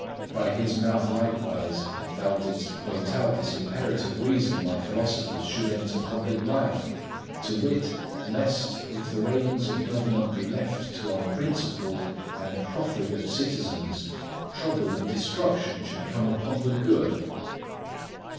By his mouth likewise thou didst point out this imperative reason why philosophers should enter public life, to wit, lest, if the reins of government be left to unprincipled and profligate citizens, trouble and destruction should come upon the good.